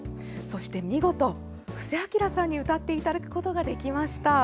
そして見事、布施明さんに歌っていただくことができました。